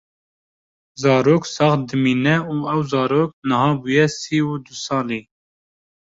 Zarok sax dimîne û ew zarok niha bûye sî û du salî